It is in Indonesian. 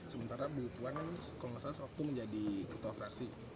sementara bukuan kan kalau gak salah sepupu menjadi ketua fraksi